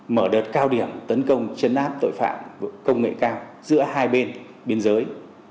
mở đợt cao điểm tấn công chấn áp tội phạm công nghệ cao giữa hai bên biên giới